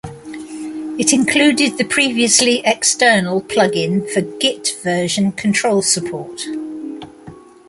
It included the previously external plugin for Git version control support.